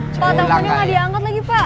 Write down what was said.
pak tangannya gak diangkat lagi pak